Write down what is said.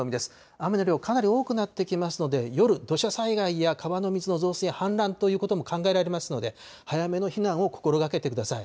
雨の量、かなり多くなってきますので、夜、土砂災害や川の水の増水、氾濫ということも考えられますので、早めの避難を心がけてください。